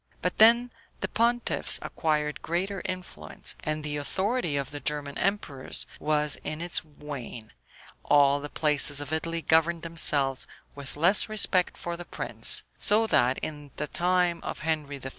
But then the pontiffs acquired greater influence, and the authority of the German emperors was in its wane, all the places of Italy governed themselves with less respect for the prince; so that, in the time of Henry III.